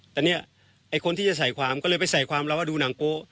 แต่เนี่ยไอ้คนที่จะใส่ความก็เลยไปใส่ความเราว่าดูหนังโป๊